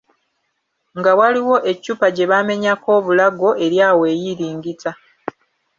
Nga waliwo eccupa gye baamenyako obulago eri awo eyiringita.